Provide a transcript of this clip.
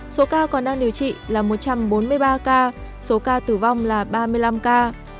số ca còn đang điều trị là một trăm bốn mươi ba ca số ca tử vong là ba mươi năm ca